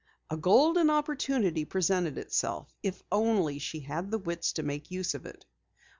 A golden opportunity presented itself, if only she had the wits to make use of it.